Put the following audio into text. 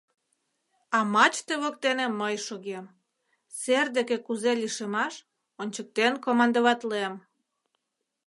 А мачте воктене мый шогем, сер деке кузе лишемаш — ончыктен командоватлем.